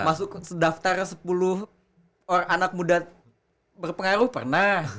masuk sedaftar sepuluh anak muda berpengaruh pernah